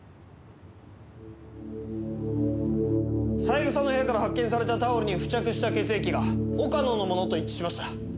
三枝の部屋から発見されたタオルに付着した血液が岡野のものと一致しました。